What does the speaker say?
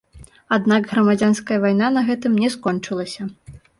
Аднак грамадзянская вайна на гэтым не скончылася.